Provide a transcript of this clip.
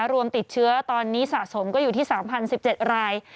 รวมติดเชื้อตอนนี้สะสมก็อยู่ที่๓๐๑๗ราย